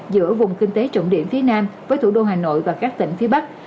giữa vùng kinh tế trọng điểm phía nam với thủ đô hà nội và các tỉnh phía bắc